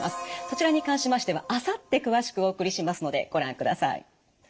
そちらに関しましてはあさって詳しくお送りしますのでご覧ください。